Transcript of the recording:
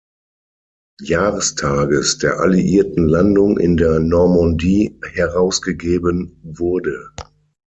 Jahrestages der alliierten Landung in der Normandie herausgegeben wurde.